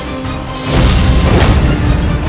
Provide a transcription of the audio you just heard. aku sudah menemukan siliwangi